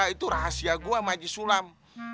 itu rahasia gue sama haji sulam